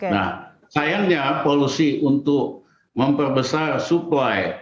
nah sayangnya polusi untuk memperbesar supply